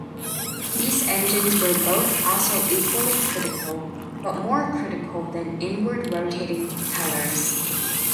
These engines were both also equally critical, but more critical than inward rotating propellers.